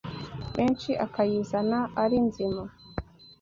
menshi akayizana ari nzima